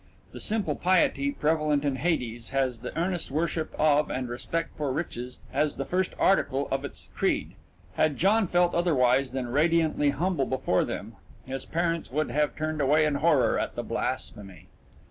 The simple piety prevalent in Hades has the earnest worship of and respect for riches as the first article of its creed had John felt otherwise than radiantly humble before them, his parents would have turned away in horror at the blasphemy.